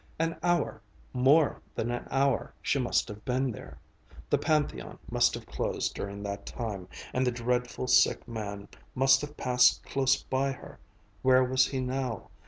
An hour more than an hour, she must have been there. The Pantheon must have closed during that time, and the dreadful, sick man must have passed close by her. Where was he now?